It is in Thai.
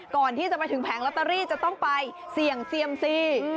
ก่อนที่จะไปถึงแผงลอตเตอรี่จะต้องไปเสี่ยงเซียมซี